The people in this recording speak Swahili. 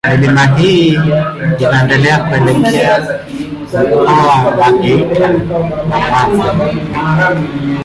Milima hii inaendelea kuelekea Mkoa wa Geita na Mwanza.